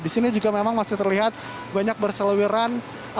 di sini juga memang masih terlihat banyak berseleweran